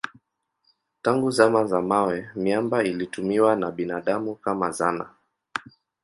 Tangu zama za mawe miamba ilitumiwa na binadamu kama zana.